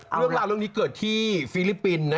เรื่องราวตั้งแต่เกิดที่ฟิลิปปินส์นะ